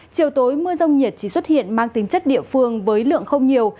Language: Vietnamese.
chiều tối mưa rông nhiệt chỉ xuất hiện mang tính chất địa phương với lượng không nhiều